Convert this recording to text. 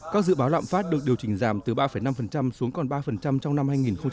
các dự báo lạm phát được điều chỉnh giảm từ ba năm xuống còn ba trong năm hai nghìn hai mươi